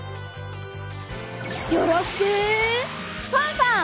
よろしくファンファン！